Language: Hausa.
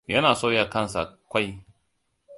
Ya soya kansa ƙwai.